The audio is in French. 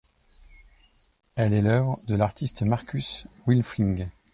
Elle est l'œuvre de l'artiste Markus Wilfling.